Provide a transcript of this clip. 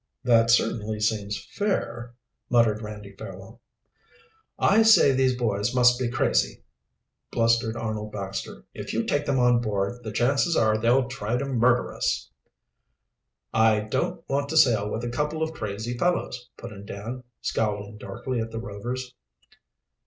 "That certainly seems fair," muttered Randy Fairwell. "I say these boys must be crazy," blustered Arnold Baxter. "If you take them on board, the chances are they'll try to murder us." "I don't want to sail with a couple of crazy fellows," put in Dan, scowling darkly at the Rovers.